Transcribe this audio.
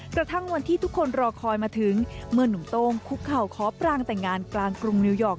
กระทั่งวันที่ทุกคนรอคอยมาถึงเมื่อนุ่มโต้งคุกเข่าขอปรางแต่งงานกลางกรุงนิวยอร์ก